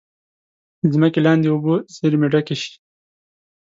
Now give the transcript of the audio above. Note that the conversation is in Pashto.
د ځمکې لاندې اوبو زیرمې ډکې شي.